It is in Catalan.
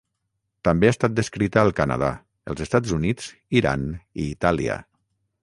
També ha estat descrita al Canadà, els Estats Units, Iran i Itàlia.